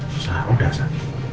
susah udah sar